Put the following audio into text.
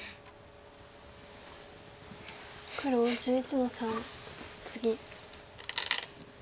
黒１１の三ツギ。